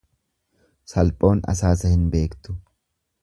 Salphoon asaasa hin beektu.